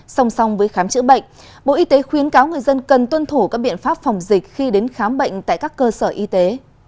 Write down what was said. song song với khám chữa bệnh bộ y tế khuyến cáo người dân cần tuân thủ các biện pháp phòng dịch khi đến khám bệnh tại các cơ sở y tế